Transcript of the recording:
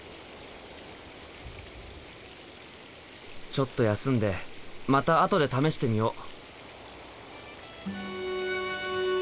ちょっと休んでまた後で試してみよう！